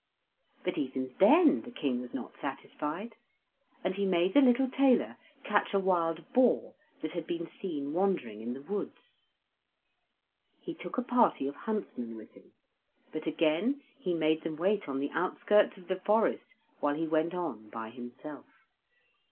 But even then the King was not satisfied, and he made the little tailor catch a wild boar that had been seen wandering in the woods. He took a party of huntsmen with him, but again he made them wait on the outskirts of the forest while he went on by himself.